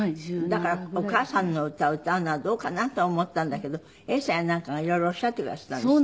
だからお母さんの歌を歌うのはどうかなと思ったんだけど永さんやなんかが色々おっしゃってくだすったんですって？